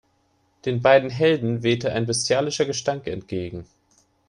Den beiden Helden wehte ein bestialischer Gestank entgegen.